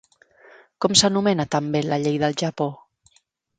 Com s'anomena també la llei del Japó?